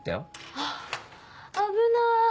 あっ危な。